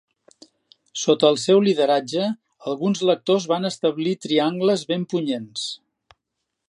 Sota el seu lideratge, alguns lectors van establir triangles ben punyents.